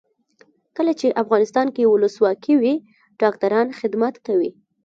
کله چې افغانستان کې ولسواکي وي ډاکټران خدمت کوي.